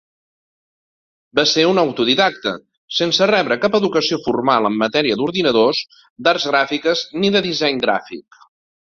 Va ser un autodidacta, sense rebre cap educació formal en matèria d'ordinadors, d'arts gràfiques ni de disseny gràfic.